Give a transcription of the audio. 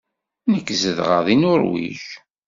Nekk zedɣeɣ deg Nuṛwij.